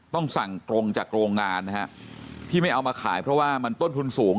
ต้องสั่งตรงจากโรงงานนะฮะที่ไม่เอามาขายเพราะว่ามันต้นทุนสูง